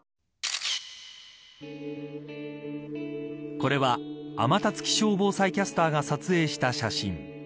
これは天達気象防災キャスターが撮影した写真。